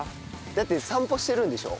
だって散歩してるんでしょ？